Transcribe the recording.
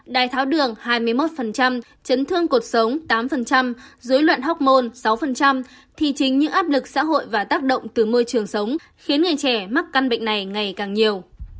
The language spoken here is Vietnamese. đai tháo đường hai mươi một chấn thương cuộc sống tám dối loạn hoc mon sáu thì chính những áp lực xã hội và tác động từ môi trường sống khiến người trẻ mắc căn bệnh này ngày càng nhiều